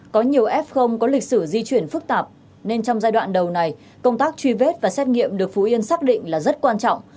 có nhiều f có lịch sử di chuyển phức tạp nên trong giai đoạn đầu này công tác truy vết và xét nghiệm được phú yên xác định là rất quan trọng